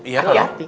iya pak d